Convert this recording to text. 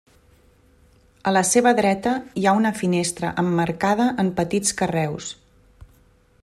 A la seva dreta, hi ha una finestra emmarcada en petits carreus.